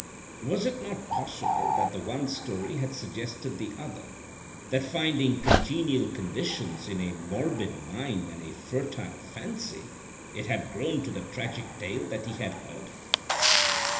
Was it not possible that the one story had suggested the other—that finding congenial conditions in a morbid mind and a fertile fancy, it had grown to the tragic tale that he had heard?